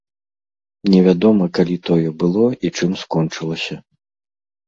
Невядома, калі тое было і чым скончылася.